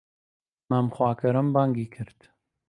مام خواکەرەم بانگی کرد